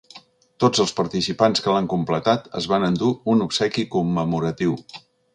Tots els participants que l’han completat es van endur un obsequi commemoratiu.